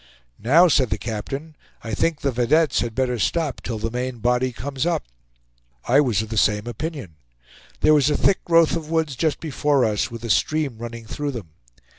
"Now," said the captain, "I think the vedettes had better stop till the main body comes up." I was of the same opinion. There was a thick growth of woods just before us, with a stream running through them.